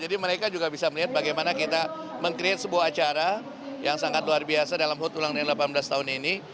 jadi mereka juga bisa melihat bagaimana kita meng create sebuah acara yang sangat luar biasa dalam hot ulang tahun ini